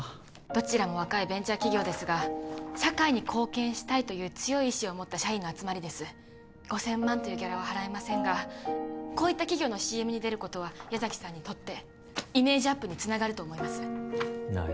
どちらも若いベンチャー企業ですが社会に貢献したいという強い意志を持った社員の集まりです５０００万というギャラは払えませんがこういった企業のＣＭに出ることは矢崎さんにとってイメージアップにつながると思いますなあ